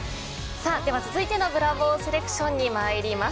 では続いてのブラボーセレクションに参ります。